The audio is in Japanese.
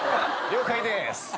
了解でーす。